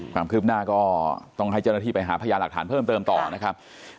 ความคืบหน้าก็ต้องให้เจ้าหน้าที่ไปหาพยาหลักฐานเพิ่มเติมต่อนะครับ